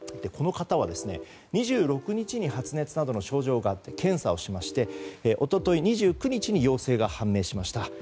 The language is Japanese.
この方は２６日に発熱などの症状があって検査をしまして一昨日、２９日に陽性が判明しました。